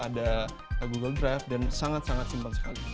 ada google drive dan sangat sangat simpel sekali